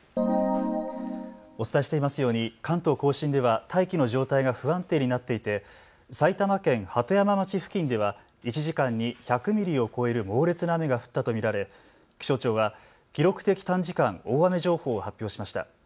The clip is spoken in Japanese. お伝えしていますように関東甲信では大気の状態が不安定になっていて埼玉県鳩山町付近では１時間に１００ミリを超える猛烈な雨が降ったと見られ気象庁は記録的短時間大雨情報を発表しました。